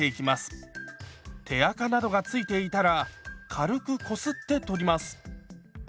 手あかなどが付いていたら軽くこすって取ります。